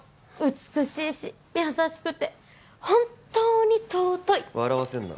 美しいし優しくて本当に尊い笑わせんな